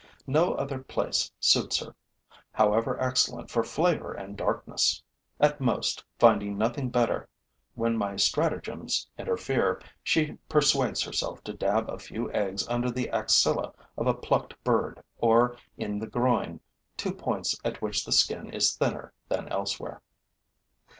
No other place suits her, however excellent for flavor and darkness. At most, finding nothing better when my stratagems interfere, she persuades herself to dab a few eggs under the axilla of a plucked bird or in the groin, two points at which the skin is thinner than elsewhere.